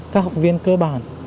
các học viên cơ bản